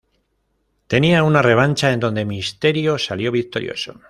Tenían una revancha en donde Mysterio salió victorioso.